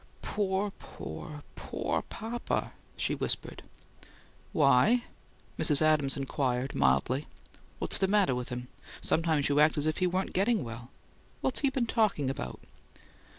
"Poor, poor, POOR papa!" she whispered. "Why?" Mrs. Adams inquired, mildly. "What's the matter with him? Sometimes you act as if he weren't getting well. What's he been talking about?"